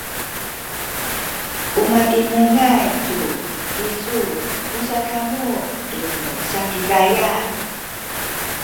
u matinengay tu kisu musakamu tunu Sakizaya